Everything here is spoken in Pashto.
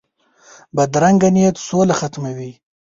بدرنګه نیت سوله ختموي